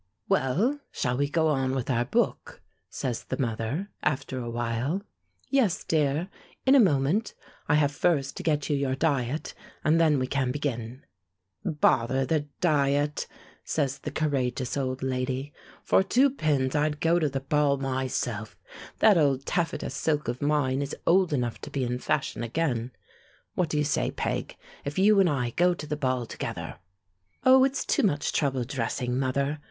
"Well, shall we go on with our book?" says the mother, after a while. "Yes, dear, in a moment. I have first to get you your diet, and then we can begin." "Bother the diet!" says the courageous old lady; "for two pins I'd go to the ball myself. That old taffeta silk of mine is old enough to be in fashion again. What do you say, Peg, if you and I go to the ball together ..." "Oh, it's too much trouble dressing, mother.